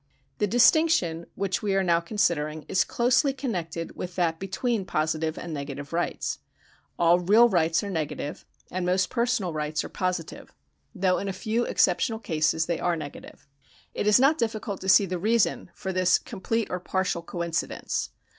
The distinction which we are now considering is closely connected with that between positive and negative rights. x4.ll real rights are negative, and most personal rights are positive, though in a few exceptional cases they are negative. It is not difficult to see the reason for this complete or par tial coincidence.